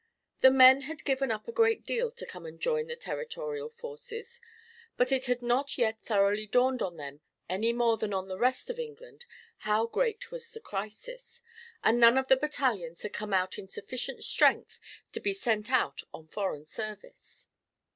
The men had given up a great deal to come and join the Territorial Forces, but it had not yet thoroughly dawned on them any more than on the rest of England, how great was the crisis, and none of the battalions had come out in sufficient strength to be sent out on foreign service.